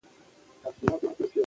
خوب مې ليدلی کال به اباد وي،